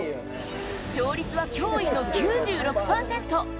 勝率は驚異の９６％。